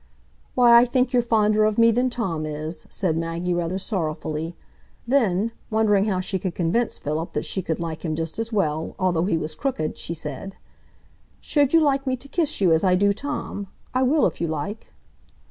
"Why, I think you're fonder of me than Tom is," said Maggie, rather sorrowfully. Then, wondering how she could convince Philip that she could like him just as well, although he was crooked, she said: "Should you like me to kiss you, as I do Tom? I will, if you like."